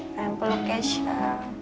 sayang peluk keisha